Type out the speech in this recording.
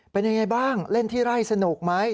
เป็นยังไงบ้างเล่นที่ไร่สนุกไหม